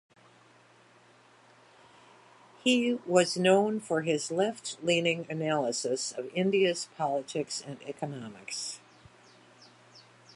He was known for his left-leaning analysis of India's politics and economics.